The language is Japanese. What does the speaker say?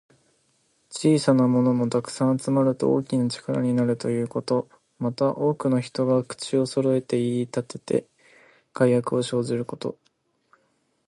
小さなものも、たくさん集まると大きな力になるということ。また、多くの人が口をそろえて言いたてて、害悪を生じること。